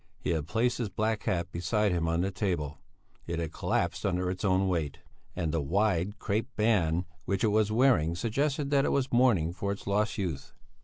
He had placed his black hat beside him on the table; it had collapsed under its own weight, and the wide crape band which it was wearing suggested that it was mourning for its lost youth.